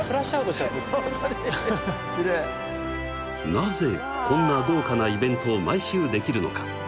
なぜこんな豪華なイベントを毎週できるのか？